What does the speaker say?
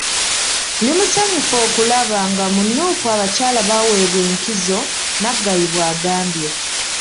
"Ndi musanyufu okulaba nga mu Nuupu abakyala baweebwa enkizo," Naggayi bw'agambye.